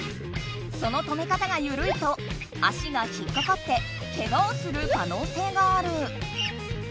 その止め方がゆるいと足が引っかかってけがをするかのうせいがある。